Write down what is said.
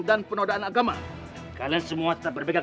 dengan minta maaf kang